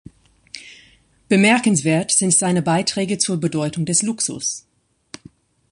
Bemerkenswert sind seine Beiträge zur Bedeutung des Luxus.